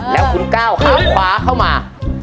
แล้วคุณก้าวขาขวาเข้ามา